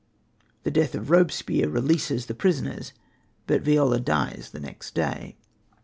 The death of Robespierre releases the prisoners, but Viola dies the next day.